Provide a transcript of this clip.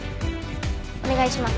お願いします。